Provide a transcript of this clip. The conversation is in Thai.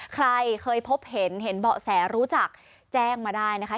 ใครเคยพบเห็นเห็นเบาะแสรู้จักแจ้งมาได้นะคะ